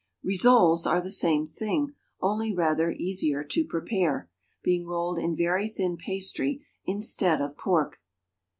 Rissoles are the same thing, only rather easier to prepare, being rolled in very thin pastry instead of pork.